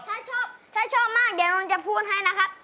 ถ้าชอบถ้าชอบมากเดี๋ยวน้องจะพูดให้นะครับ